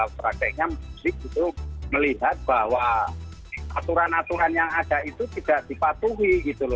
prakteknya publik itu melihat bahwa aturan aturan yang ada itu tidak dipatuhi gitu loh